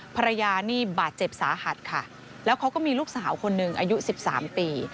ภรรยานี่บาดเจ็บสาหัสค่ะแล้วเขาก็มีลูกสาวคนหนึ่งอายุ๑๓ปี